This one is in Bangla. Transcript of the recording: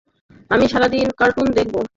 আমি সারাদিন কার্টুন দেখবো।